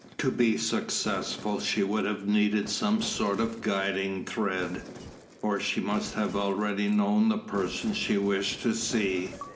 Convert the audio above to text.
To be successful she would have needed some sort of guiding thread, or she must have already known the person she wished to see.